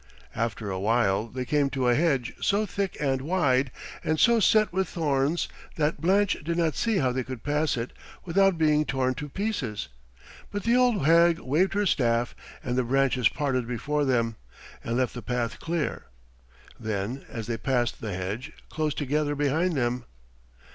After a while they came to a hedge so thick and wide and so set with thorns that Blanche did not see how they could pass it without being torn to pieces, but the old hag waved her staff, and the branches parted before them and left the path clear. Then, as they passed, the hedge closed together behind them.